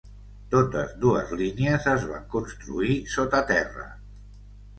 Totes dues línies es van construir sota terra.